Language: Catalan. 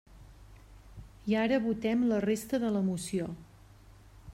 I ara votem la resta de la moció.